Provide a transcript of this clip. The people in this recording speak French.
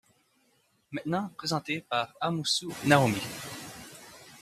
Maintenant présentée par Amoussou Naomie.